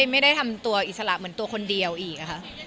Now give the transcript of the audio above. ไม่ได้ทำตัวอิสระเหมือนตัวคนเดียวอีกค่ะ